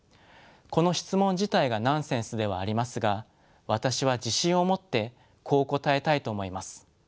この質問自体がナンセンスではありますが私は自信を持ってこう答えたいと思います。